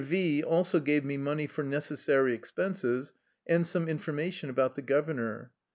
V also gave me money for necessary expenses and some information about the gov ernor.